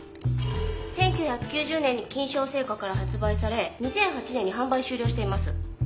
１９９０年にキンショー製菓から発売され２００８年に販売終了しています。